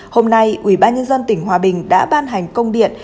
hôm nay ubnd tỉnh hòa bình đã ban hành công điện